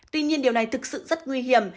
tuy nhiên điều này thực sự rất nguy hiểm